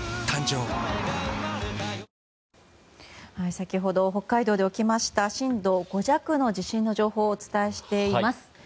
先ほど北海道で起きました震度５弱の地震の情報をお伝えしています。